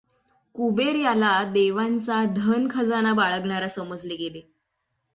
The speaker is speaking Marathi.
कुबेर याला देवांचा धन खजाना बाळगणारा समजले गेले.